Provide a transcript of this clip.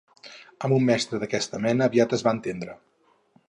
Amb un mestre d'aquesta mena, aviat es va entendre